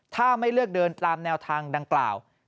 ถ้าไม่เลือกเดินตามแนวทางดังกล่าว